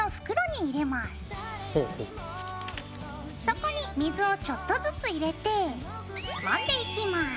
そこに水をちょっとずつ入れてもんでいきます。